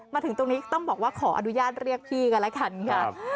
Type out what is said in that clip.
มาถึงตรงนี้ต้องบอกว่าขออนุญาตเรียกพี่กันแล้วกันค่ะ